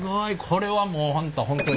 これはもう本当